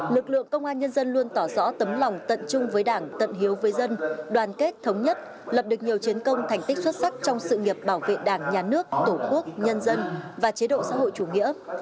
lực lượng công an nhân dân luôn tỏ rõ tấm lòng tận chung với đảng tận hiếu với dân đoàn kết thống nhất lập được nhiều chiến công thành tích xuất sắc trong sự nghiệp bảo vệ đảng nhà nước tổ quốc nhân dân và chế độ xã hội chủ nghĩa